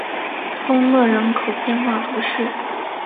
通讷人口变化图示